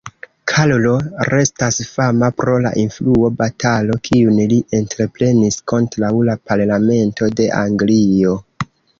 Karlo restas fama pro la influo-batalo, kiun li entreprenis kontraŭ la Parlamento de Anglio.